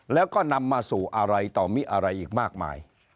แล้วก็นำมาสู่อะไรต่อมิอะไรอีกมากมาย